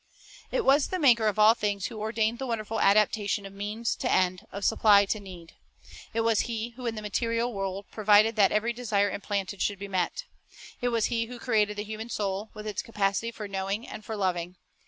' It was the Maker of all things who ordained the wonderful adaptation of means to end, of supply to need. It was He who in the material world provided that every desire implanted should be met. It was He who created the human soul, with its capacity for knowing and for loving.